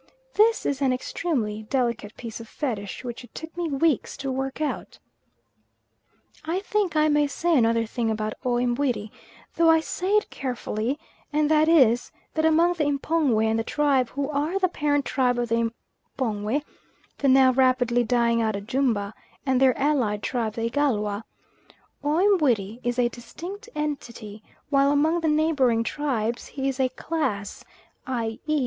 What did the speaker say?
This is an extremely delicate piece of Fetish which it took me weeks to work out. I think I may say another thing about O Mbuiri, though I say it carefully, and that is, that among the M'pongwe and the tribe who are the parent tribe of the M'pongwe the now rapidly dying out Ajumba, and their allied tribe the Igalwa O Mbuiri is a distinct entity, while among the neighbouring tribes he is a class, i.e.